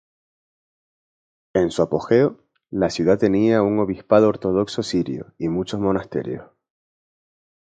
En su apogeo, la ciudad tenía un obispado ortodoxo sirio y muchos monasterios.